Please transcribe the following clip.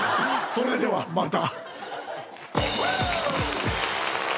それではまた。